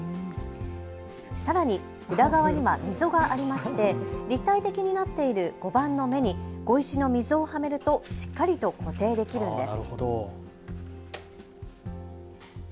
さらに裏側には溝がありまして立体的になっている碁盤の目に碁石の溝をはめるとしっかりと固定できるんです。